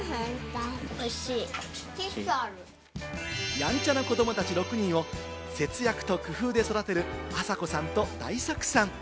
やんちゃな子どもたち６人を節約と工夫で育てる朝子さんと大作さん。